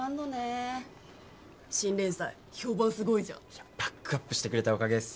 ・いやバックアップしてくれたおかげです。